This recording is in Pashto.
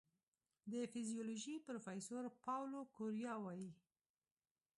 د فزیولوژي پروفېسور پاولو کوریا وايي